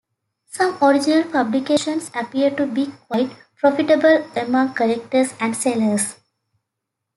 Some original publications appear to be quite profitable among collectors and sellers.